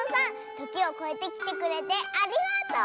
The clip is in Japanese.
ときをこえてきてくれてありがとう！